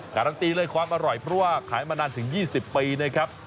การันตีเลยความอร่อยเพราะว่าขายมานานถึง๒๐ปีนะครับ